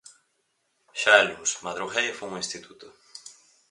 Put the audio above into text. Xa é luns, madruguei e fun ao instituto.